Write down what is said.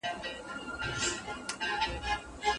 که پلار بل ځای نه وای ښودلی، زوی به خفه و.